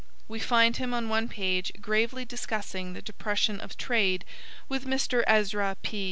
We find him on one page gravely discussing the depression of trade with Mr. Ezra P.